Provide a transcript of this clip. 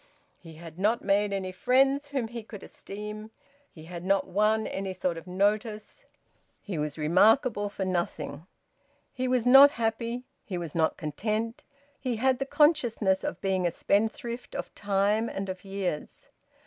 He had not made any friends whom he could esteem. He had not won any sort of notice. He was remarkable for nothing. He was not happy. He was not content. He had the consciousness of being a spendthrift of time and of years...